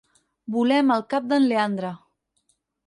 Volem el cap d'en Leandre.